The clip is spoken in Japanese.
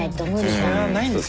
それがないんですよ。